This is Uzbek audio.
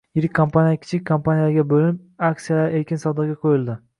yirik kompaniyalar kichik kompaniyalarga bo‘linib, aksiyalari erkin savdoga qo‘yildi.